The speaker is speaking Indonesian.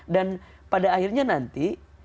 dan pada akhirnya nanti